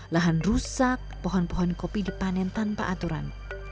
lahan rusak pohon pohon kopi dipanen tanpa aturan